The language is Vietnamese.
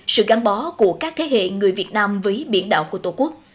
sự gắn bó của các thế hệ người việt nam với biển đảo của tổ quốc